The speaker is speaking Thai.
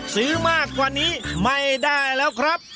ซื้อมากกว่านี้ไม่ได้แล้วครับ